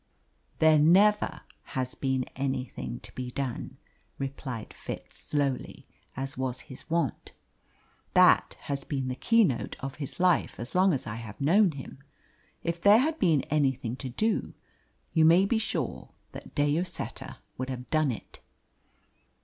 "There never has been anything to be done," replied Fitz slowly, as was his wont. "That has been the keynote of his life as long as I have known him. If there had been anything to do, you may be sure that De Lloseta would have done it."